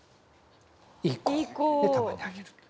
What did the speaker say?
いい子。でたまにあげる。